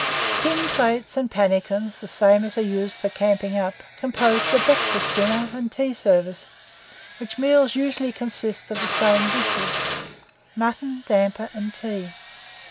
Tin plates and pannicans, the same as are used for camping up, compose the breakfast, dinner, and tea service, which meals usually consist of the same dishes mutton, damper, and tea.